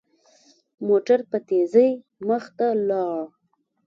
موټر په تېزۍ مخ ته لاړ.